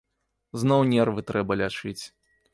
Зноў нервы трэба лячыць.